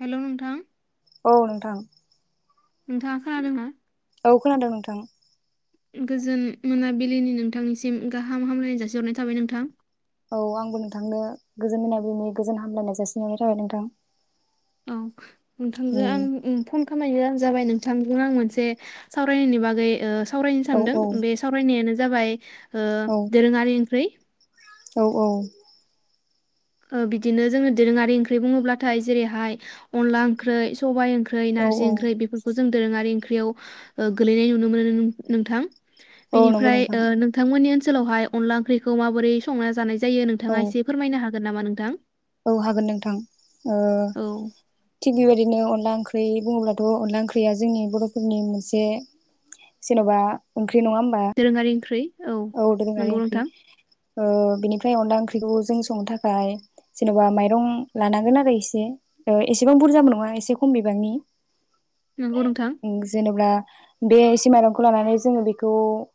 Hello नोंथां औ नोंथां नोंथांङा खोनादों ना औ खोनादों नोंथां गोजोन मोनाबिलिनि नोंथांनिसिम गाहाम हामलायनाय जासिहरनाय थाबाय नोंथां औ आंबो नोंथांनो गोजोन होननाय बै गोजोन हामलायनाय जासिहरनाय थाबाय नोंथां औ नोंथांजों उम आं ओ फन खामानि जास जाबाय नोंथां आं मोनसे सावरायनायनि बागै ओ सावरायनो औ सानदों औ बे सावरायनायानो जाबाय दोरोङारि ओंख्रै औ औ बिदिनो जोङो दोरोङारि ओंख्रै बुङोब्लाथाय जेरैहाय अनला ओंख्रै सबाइ ओंख ख्रै औ नारजि औ ओंख्रि बेफोरखौ जों दोरोङारि ओं ख्रैयाव गोलैनाय नुनो मोनो नो नोंथां औ नंगौ बेनिफ्राय नोंथां ओ नोंथांमोननि ओन‌ ओनसोलावहाय अनला ओंखखौ माबोरै संनानै जानाय जा जायो औ नोंथाङा एसे फोरमायनो हा गोन नामा नोंथां? औ हागोन नोंथां ओ थिग बेबायदिनो अनला ओंख्रै बुङोब्लाथ' अनला ओंख्रिया जोंनि बर'फोरनि मोनसे जेन'बा ओंख दोरोङारि ओंख्रै औ‌ दोरोङारि ओंख्रि ओ बिनिफ्राय अनला ओंख्रिखौ जों संनो थाखाय जेन'बा माइरं लानांगोन आरो एसे एसेबां बुरजाबो नङा एसे खम बिबांनि उम जेनबा बे एसे माइरंखौ लानानै जोङो बेखौ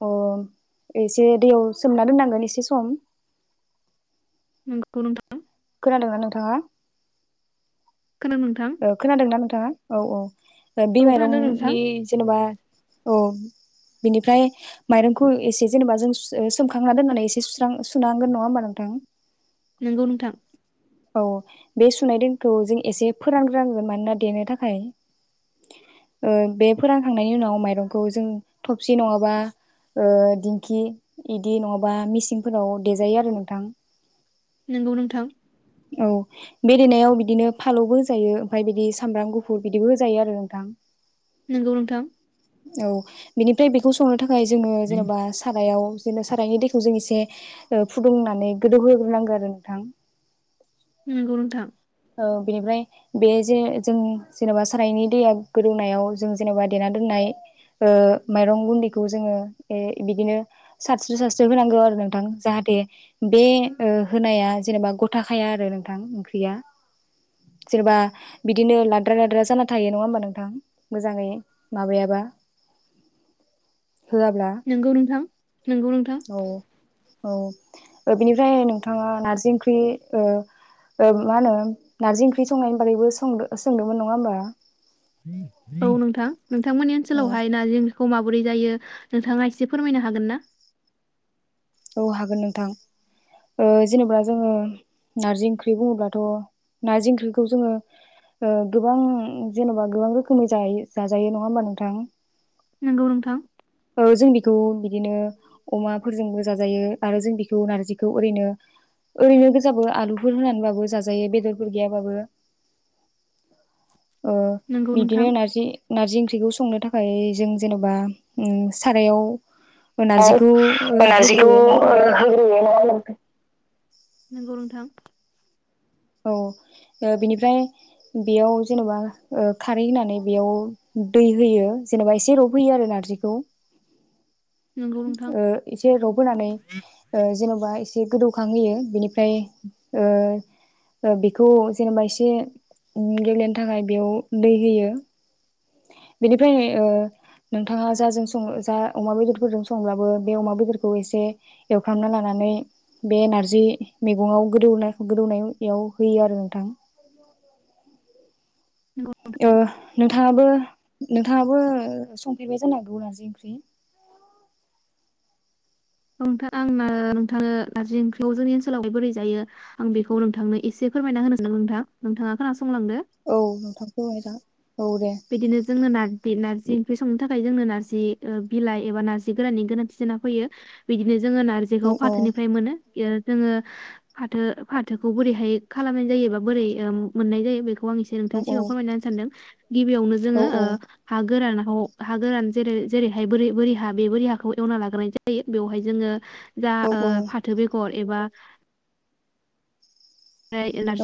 ओ एसे दैयाव सोमना दोननांगोन एसे सम नोंगौ नोंथां खोनादोंना नोंथाङा? ओ खोनादों ना नों थाङा औ औ बे माइरंनि जेनेबा औ बिनिफ्राय माइरंखौ एसे जेनेबा जों सोमखांना दोननानै एसे सुस्रां‌ सुुनांगोन नङा होमबा नोंथां? नंगौ नोंथां औ बे सुनाय दैखौ जों एसे फोरानग्रांगोन मानोना देनो थाखाय ओ बे फोरानखांनायनि उनाव माइरंखौ जों थबसि नङाबा ओ दिंखि इदि नङाबा मिसिंफोराव देजायो आरो नोंथां नंगौ नोंथां औ बे देनायाव बिदिनो फालौबो होजायो ओमफाय बिदि सामब्राम गुफुर बिदिबो होजायो आरो नोंथां औ बिनि फ्राय बेखौ सोंनो थाख खाय जोङो जेनेबा सारायाव बिदिनो सारायनि दैखौ जों इसे फुदुंनानै गोदौहोग्रोनांगौ आरो नोंथां उम नंगौ नोंथां ओ बिनिफ्राय बे जे जों जेनेबा सारायनि दैया गोदौनायाव जों जेनेबा देना दोननाय ओ माइरं गुन्दैखौ जोङो ओ बिदिनो सारस्रो सारस्रो होनांगौ आरो नोंथां जाहाथे बे ओ होनाया जेनेबा गथाखाया आरो नोंथां ओंख्रिया सोरबा बिदिनो लाद्रा लाद्रा जाना थायो नङा होमबा नोंथां मोजाङै माबायाबा होआब्ला नोंगौ नोंथां नोंगौ नोंथां औ औ बिनिफ्राय नोंथाङा नारजि ओंख्रि ओ ओ मा होनो नारजि ओंख्रि संनायनि बारैबो सों सोंदोंमोन नङा होमबा औ नोंथां नोंथांमोननि औ ओनसोलावहाय नारजि ओंख्रि खौ माबोरै जायो नोंथाङा एसे फोरमायनो हागोन ना औ हागोन नोंथां, ओ जेनेबा जोङो नारजि ओंख्रि बुङोब्लाथ' नारजि ओंख्रिखौ जोङो ओ गोबां जेनेबा गोबां रोखोमै जायो जाजायो नङा होमबा नोंथां नोंगौ नोंथां ओ जों बेखौ बिदिनो अमाफोरजोंबो जाजायो आरो जों बिखौ नारजिखौ ओरैनो ओरैनो गोजाबो आलुफोर होनानै बाबो जाजायो बेदरफोर गैया बाबो ओ बिदिनो नारजि नारजि ओंख्रिखौ संनो थाखाय जों जेन'बा ओम सारायाव औ नारजिखौ ओ नारजि [unintelligible] होग्रोयो नङा होमबा नोंथां नोंगौ नोंथां। औ ओ बिनिफ्राय बेयाव जेनेबा ओ खारै होनानै बेयाव दै होयो जेनेबा एसे रब होयो आरो नारजिखौ ओ एसे रबहोनानै ओ जेन'बा एसे एसे गोदौखां होयो बेनिफ्राय ओ बेखौ जेनेबा एसे गेब्लेनो थाखाय बेयाव दै होयो बेनिफ्राय ओ नोंथाङा जाजों संङो जा अमा बेदरफोरजों संब्लाबो बे अमा बेदरखौ एसे एवफ्रामना लानानै बे नारजि मेगंङाव गोदौ गोदौनायाव होयो आरो नोंथां ओ नोंथाङाबो नोंथाङाबो संफेरबाय जानो हांगौ नारजि ओंख्रि औ नोथां आं नोंथांनो नारजि ओंख्रिखौ जोंनि ओनसोलावहाय बोरै जायो आं बेखौ नोंथांनो एसे फोरमायना होनो सानदों नोंथां नोंथाङा खोनासं औ नोंथां फोरमाय जागोन बिदिनो जोङो नारजि नारजि ओंख्रि संनो थाखाय जोंनो नारजि ओ बिलाइ एबा नारजि गोराननि गोनांथि जाना फैयो बिदिनो जों जोङो औ नारजिखौ औ फाथोनिफ्राय मोनो जोङो फाथो फाथोखौ बोरैहाय खालामनाय जायो बा बोरै ओ मोननाय जायो बे खौ आं एसे औ नोंथांनि सिगाङाव फोरमायना होनो सानदों गिबियावनो औ जोङो ओ हा गोरान हा गोरान जेरै जेरैहाय बोरै बोरि हा बे बोरि हाखौ एवना लाग्रोनाय जायो बेवहाय जोंङो जा औ ओ फाथो बेगर एबा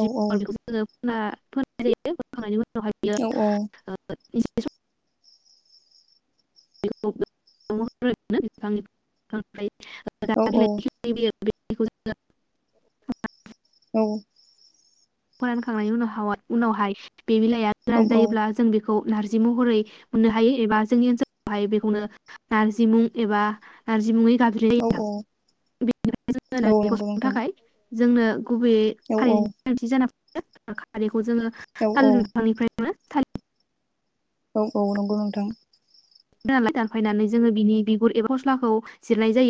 औ औ [unintelligible] [unintelligible] औ औ फोनाय जायो फोखांनायनि उनाव [unintelligible] [unintelligible] [unintelligible] [unintelligible] [unintelligible] फरायानखांनायनि उनाव उनावहाय बे बिलाइआ गोरान जायोब्ला जों बेखौ खौ नारजि महरै मोननो हायो एबा जोंनि ओनसोलावहाय बेखौनो नारजिमुं एबा नारज मुङै औ [unintelligible] बेनिफ्राय जोंनो औ नारजिखौ नंगौ संनो नोंथां थाखाय जोंनो गुबैयै औ औ हारिनि गोनांथि जाना [unintelligible] खौ जोंङो औ औ थालिर बिफांनिफ्राय [unintelligible] औ-औ नंगौ नोंथां। दानफायनानै जोंङो बिनि बिगुर एबा फस्लाखौ जिरनाय जायो।